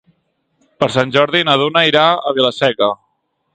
Per Sant Jordi na Duna irà a Vila-seca.